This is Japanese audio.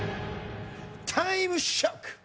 タイムショック！